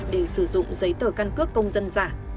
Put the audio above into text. đều sử dụng giấy tờ căn cước công dân giả